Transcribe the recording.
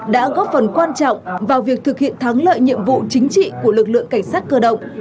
đã góp phần quan trọng vào việc thực hiện thắng lợi nhiệm vụ chính trị của lực lượng cảnh sát cơ động